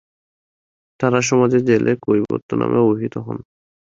তারা সমাজে জেলে কৈবর্ত নামে অভিহিত হন।